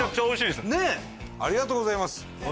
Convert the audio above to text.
ありがとうございます。